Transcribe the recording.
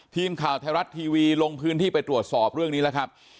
ทีมข่าวไทยรัฐทีวีลงพื้นที่ไปตรวจสอบเรื่องนี้แล้วครับ